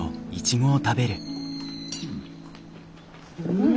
うん。